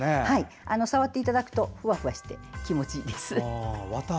触っていただくとふわふわして気持ちいいです。